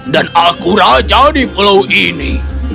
dan aku raja di pulau ini